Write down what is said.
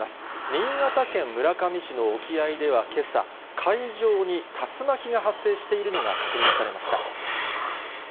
新潟県村上市の沖合ではけさ、海上に竜巻が発生しているのが確認されました。